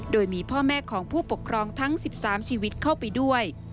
โดยมีพ่อแม่ของผู้ปกครองทั้ง๑๓ชีวิตเข้าไปด้วย